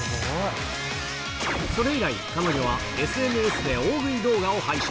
それ以来、彼女はＳＮＳで大食い動画を配信。